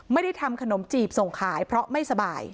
ไม่ได้ทำขนมจีบส่งขายเพราะไม่สบาย